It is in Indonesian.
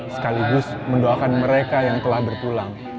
sekaligus mendoakan mereka yang telah berpulang